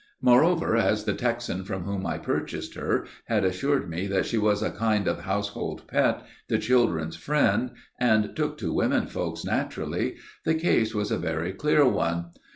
Moreover, as the Texan from whom I purchased her had assured me that she was a kind of household pet, the children's friend, and took to women folks naturally, the case was a very clear one.